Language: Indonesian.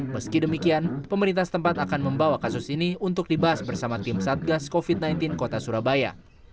meski demikian pemerintah setempat akan membawa kasus ini untuk dibahas bersama tim satgas covid sembilan belas kota surabaya